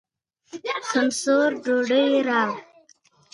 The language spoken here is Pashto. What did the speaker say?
د موبایل استعمال باید متوازن وي.